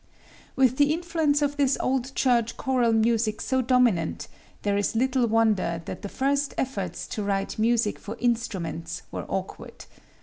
With the influence of this old church choral music so dominant, there is little wonder that the first efforts to write music for instruments were awkward.